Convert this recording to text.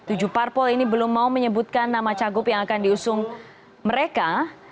tujuh parpol ini belum mau menyebutkan nama cagup yang akan diusung mereka